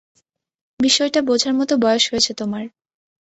বিষয়টা বোঝার মত বয়স হয়েছে তোমার।